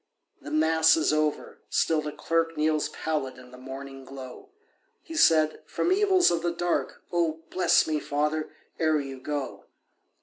The Mass is over—still the clerk Kneels pallid in the morning glow. He said, "From evils of the dark Oh, bless me, father, ere you go.